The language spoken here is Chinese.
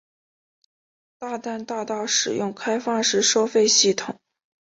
大淡大道使用开放式收费系统。